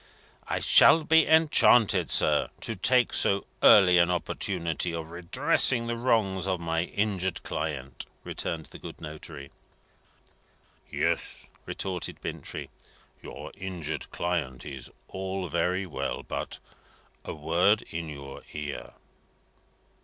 "I shall be enchanted, sir, to take so early an opportunity of redressing the wrongs of my injured client," returned the good notary. "Yes," retorted Bintrey; "your injured client is all very well but a word in your ear."